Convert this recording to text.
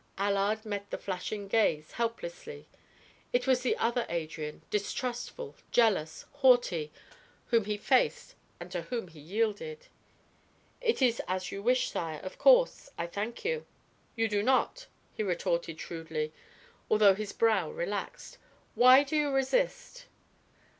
Allard met the flashing gaze helplessly; it was the other Adrian, distrustful, jealous, haughty, whom he faced and to whom he yielded. "It is as you wish, sire, of course. I thank you." "You do not," he retorted shrewdly, although his brow relaxed. "Why did you resist?"